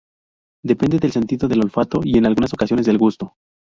Depende del sentido del olfato y en algunas ocasiones del gusto.